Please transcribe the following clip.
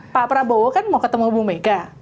pak prabowo kan mau ketemu bu mega